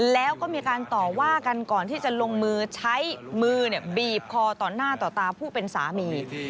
แล้วก็มีการต่อว่ากันก่อนที่จะลงมือใช้มือบีบคอต่อหน้าต่อตาผู้เป็นสามี